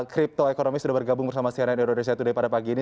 crypto ekonomis sudah bergabung bersama cnn indonesia today pada pagi ini